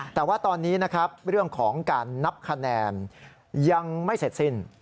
แต่ว่าตอนนี้นะครับเรื่องของการนับคะแนนยังไม่เสร็จสิ้น